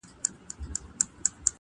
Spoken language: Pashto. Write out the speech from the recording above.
• هم ښکاري وو هم ښه پوخ تجریبه کار وو,